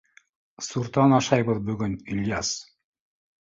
— Суртан ашайбыҙ бөгөн, Ильяс!